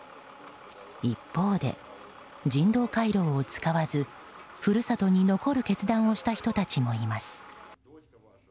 一方で人道回廊を使わず故郷に残る決断をした人たちもいます。